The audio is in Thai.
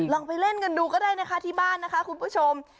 ลองไปเล่นกันดูก็ได้นะคะที่บ้านนะคะคุณผู้ชม